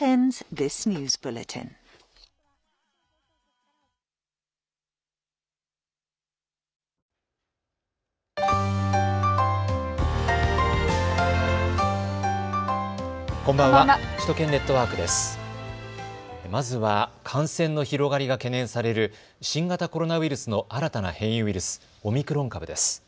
まずは感染の広がりが懸念される新型コロナウイルスの新たな変異ウイルス、オミクロン株です。